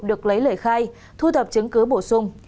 được lấy lời khai thu thập chứng cứ bổ sung